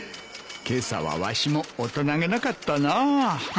けさはわしも大人げなかったな。